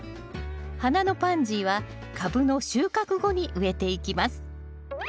花のパンジーはカブの収穫後に植えていきます。